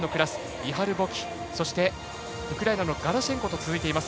イハル・ボキそしてウクライナのガラシェンコと続いています。